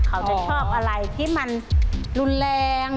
เขาจะชอบอะไรที่มันรุนแรง